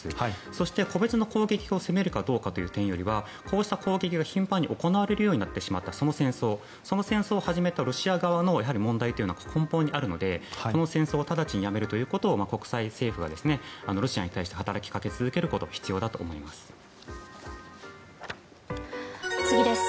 そして、個別の攻撃を責めるかどうかという点よりはこうした攻撃が頻繁に行われるようになってしまったその戦争その戦争を始めたロシア側のやはり問題というのは根本にあるのでこの戦争を直ちにやめるということを国際政府はロシアに対して働きかけ続けることが必要だと思います。